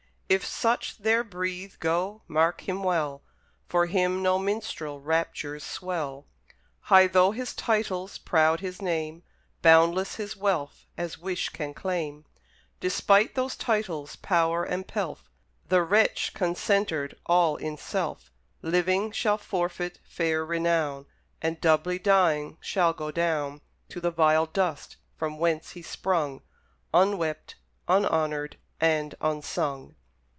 If such there breathe, go, mark him well; For him no minstrel raptures swell; High though his titles, proud his name, Boundless his wealth as wish can claim: Despite those titles, power, and pelf, The wretch, concentred all in self, Living, shall forfeit fair renown, And, doubly dying, shall go down To the vile dust, from whence he sprung, Unwept, unhonoured, and unsung.